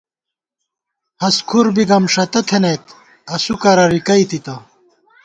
ہست کھُر بی گمݭَتہ تھنَئیت، اسُو کرہ رِکَئیتِتہ